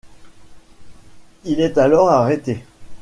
Il est alors arrêté.